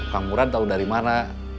kamu rat tau dari mana